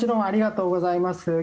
ありがとうございます。